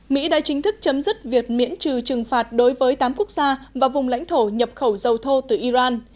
mỹ đã chính thức chấm dứt việc miễn trừ trừng phạt đối với tám quốc gia và vùng lãnh thổ nhập khẩu dầu thô từ iran